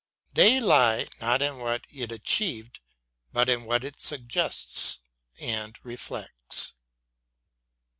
They lie not in what it achieved but in what it suggests and reflects.